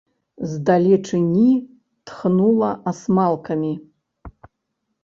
З далечыні тхнула асмалкамі.